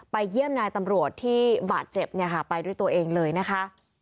เยี่ยมนายตำรวจที่บาดเจ็บไปด้วยตัวเองเลยนะคะ